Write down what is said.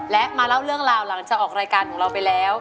และมาเล่าเรื่องราวหลังจากออกรายการของเราไปแล้ว